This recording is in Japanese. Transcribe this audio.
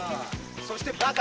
そしてバカ。